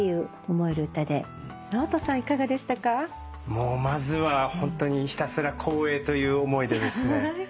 もうまずはホントにひたすら光栄という思いでですね。